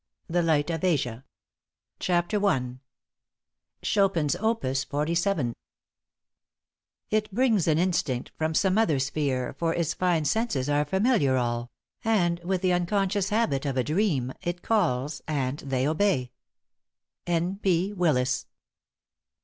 _ THE LIGHT OF ASIA. *HOW CHOPIN CAME TO REMSEN.* *CHAPTER I.* *CHOPIN'S OPUS 47* It brings an instinct from some other sphere, For its fine senses are familiar all, And with the unconscious habit of a dream, It calls and they obey. N. P. WILLIS.